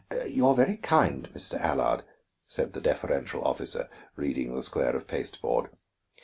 "You are very kind, Mr. Allard," said the deferential officer, reading the square of pasteboard.